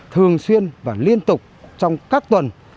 thường xuyên và liên tục trong các tuần